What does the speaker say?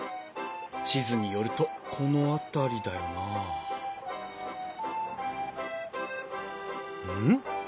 地図によるとこの辺りだよなうん？